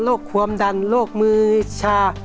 โลกความดันโลกมือชา